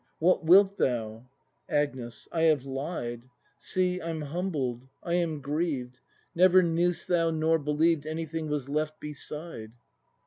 What wilt thou ? Agnes. I have lied — See, I'm humbled, I am grieved. Never knew'st thou nor believed. Anything was left beside.